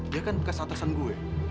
dia kan bekas atasan gue